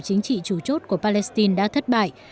chính trị chủ chốt của palestine đã thất bại